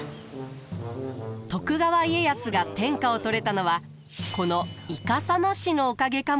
徳川家康が天下を取れたのはこのイカサマ師のおかげかもしれません。